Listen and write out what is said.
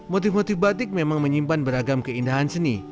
motif motif batik memang menyimpan beragam keindahan seni